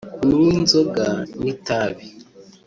kunywa inzoga n’itabi